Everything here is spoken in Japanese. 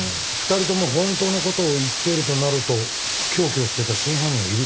２人とも本当の事を言っているとなると凶器を捨てた真犯人がいるって事ですか？